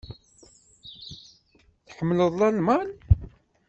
Tḥemmleḍ Lalman?